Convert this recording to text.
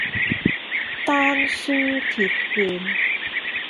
丹書鐵券